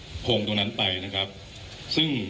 คุณผู้ชมไปฟังผู้ว่ารัฐกาลจังหวัดเชียงรายแถลงตอนนี้ค่ะ